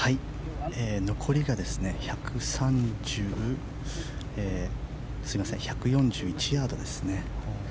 残りが１４１ヤードですね。